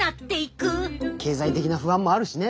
経済的な不安もあるしね。